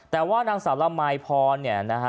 แต่ว่านางสาวละมายพร